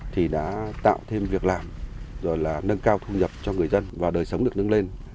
thì đã tạo thêm việc làm rồi là nâng cao thu nhập cho người dân và đời sống được nâng lên